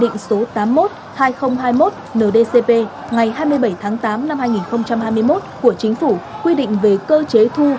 nghị định số tám mươi một hai nghìn hai mươi một ndcp ngày hai mươi bảy tháng tám năm hai nghìn hai mươi một của chính phủ quy định về cơ chế thu